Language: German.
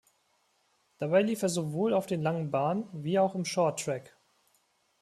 Dabei lief er sowohl auf den langen Bahnen wie auch im Shorttrack.